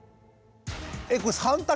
えっこれ３択？